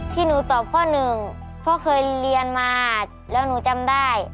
ที่หนูตอบข้อหนึ่งพ่อเคยเรียนมาแล้วหนูจำได้